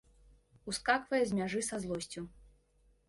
Ускаквае з мяжы са злосцю.